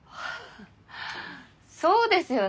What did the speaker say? そうですよね。